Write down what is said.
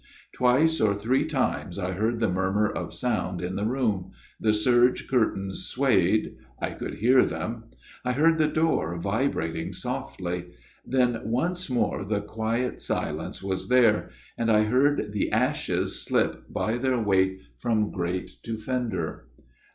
Twice or three times I heard the murmur of sound in the room ; the serge curtains swayed I could hear them I heard the door vibrating softly : then once more the quiet silence was there, and I heard the ashes slip by their weight from grate to fender.